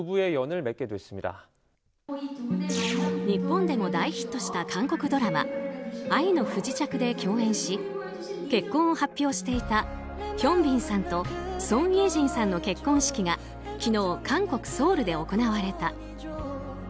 日本でも大ヒットした韓国ドラマ「愛の不時着」で共演し結婚を発表していたヒョンビンさんとソン・イェジンさんの結婚式が昨日、韓国ソウルで行われた。